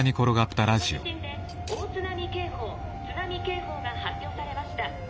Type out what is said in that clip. この地震で大津波警報津波警報が発表されました。